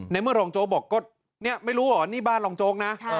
เมื่อรองโจ๊กบอกก็เนี่ยไม่รู้เหรอนี่บ้านรองโจ๊กนะ